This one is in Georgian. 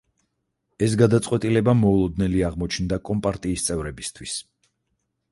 ეს გადაწყვეტილება მოულოდნელი აღმოჩნდა კომპარტიის წევრებისთვის.